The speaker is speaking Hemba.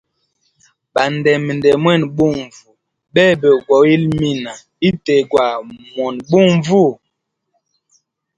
Bandeme nde mwene bunvu, bebe gwa wilimina ite gwa mona bunvu.